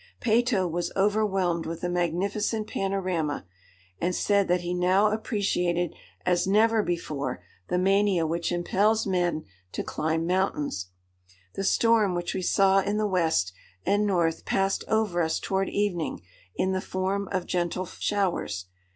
Peyto was overwhelmed with the magnificent panorama, and said that he now appreciated, as never before, the mania which impels men to climb mountains. The storm which we saw in the west and north passed over us toward evening, in the form of gentle showers.